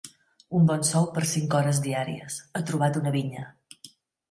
Un bon sou per cinc hores diàries: ha trobat una vinya!